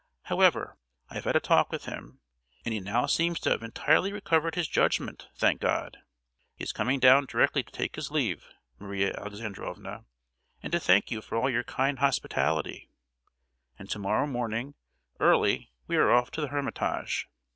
However, I have had a talk with him, and he now seems to have entirely recovered his judgment, thank God! He is coming down directly to take his leave, Maria Alexandrovna, and to thank you for all your kind hospitality; and to morrow morning early we are off to the Hermitage.